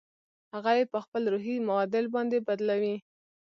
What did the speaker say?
هغه يې په خپل روحي معادل باندې بدلوي.